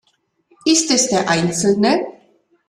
Ist es der einzelne?